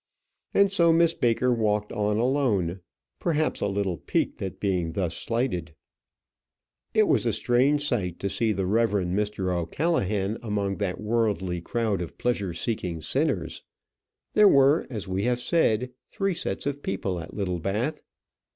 And so Miss Baker walked on alone, perhaps a little piqued at being thus slighted. It was a strange sight to see the Rev. Mr. O'Callaghan among that worldly crowd of pleasure seeking sinners. There were, as we have said, three sets of people at Littlebath.